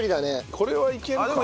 これはいけるか？